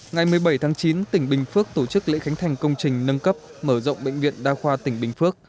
ngày một mươi bảy tháng chín tỉnh bình phước tổ chức lễ khánh thành công trình nâng cấp mở rộng bệnh viện đa khoa tỉnh bình phước